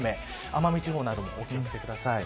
奄美地方などもお気を付けください。